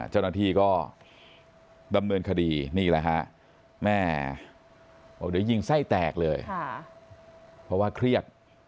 เจ้าหน้าที่ก็ดำเนินคดีนี่แหละฮะแม่บอกเดี๋ยวยิงไส้แตกเลยเพราะว่าเครียด